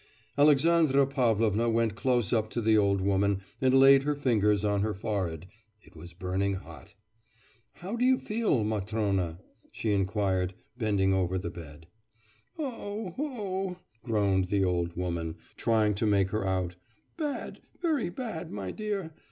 Alexandra Pavlovna went close up to the old woman and laid her fingers on her forehead; it was burning hot. 'How do you feel, Matrona?' she inquired, bending over the bed. 'Oh, oh!' groaned the old woman, trying to make her out, 'bad, very bad, my dear!